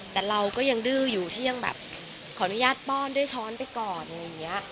แต่เราก็ยังดื้ออยู่ที่ยังแบบขออนุญาตป้อนด้วยช้อนไปก่อนอะไรอย่างนี้